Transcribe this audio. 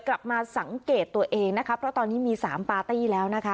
กลับมาสังเกตตัวเองนะคะเพราะตอนนี้มี๓ปาร์ตี้แล้วนะคะ